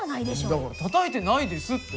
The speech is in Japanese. だからたたいてないですって！